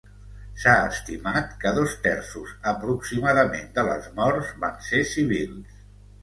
S'ha estimat que dos terços aproximadament de les morts van ser civils.